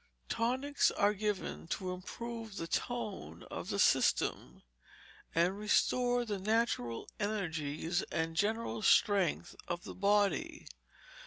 Tonics are given to improve the tone of the system, and restore the natural energies and general strength of the body.